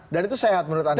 dan itu sehat menurut anda